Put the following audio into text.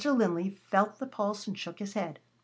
Linley felt the pulse and shook his head.